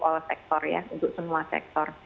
untuk semua sektor ya untuk semua sektor